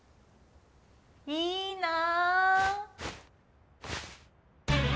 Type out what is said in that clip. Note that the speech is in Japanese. いいなあ！